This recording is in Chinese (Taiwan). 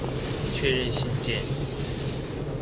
確認信件